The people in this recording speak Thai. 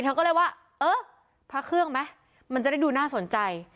เธอก็เลยว่าเออพระเครื่องไหมมันจะได้ดูน่าสนใจ